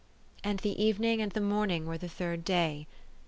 " And the evening and the morning were the third day."